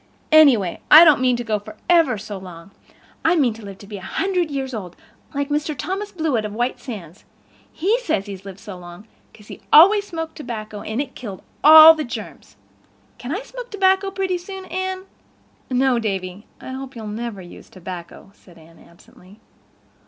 Anyway, I don't mean to go for ever so long. I mean to live to be a hundred years old, like Mr. Thomas Blewett of White Sands. He says he's lived so long 'cause he always smoked tobacco and it killed all the germs. Can I smoke tobacco pretty soon, Anne?" "No, Davy, I hope you'll never use tobacco," said Anne absently.